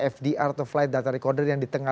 fdr atau flight data recorder yang di tengah